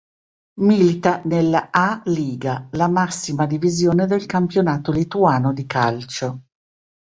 Milita nella A Lyga, la massima divisione del campionato lituano di calcio.